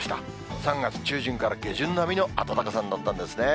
３月中旬から下旬並みの暖かさになったんですね。